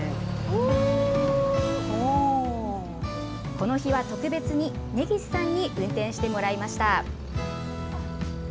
この日は特別に、根岸さんに運転してもらいました。